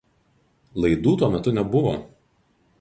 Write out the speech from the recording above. Laidų tuo metu nebuvo.